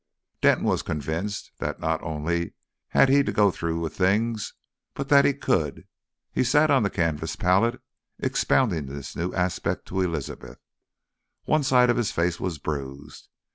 Denton was convinced that not only had he to go through with things, but that he could. He sat on the canvas pallet expounding this new aspect to Elizabeth. One side of his face was bruised.